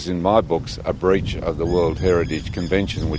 yang di buku saya adalah pencabutan perintah dunia